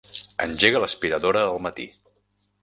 Engega l'aspiradora al matí.